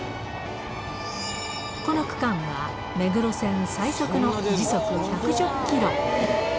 この区間は目黒線最速の時速１１０キロ。